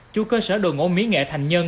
chủ cơ sở đồ ngỗ mỹ nghệ thành nhân